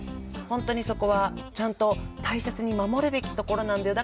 本当にそこはちゃんと大切に守るべきところなんだよ。